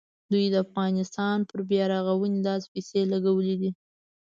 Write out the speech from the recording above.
دوی د افغانستان پر بیارغونه دا پیسې لګولې دي.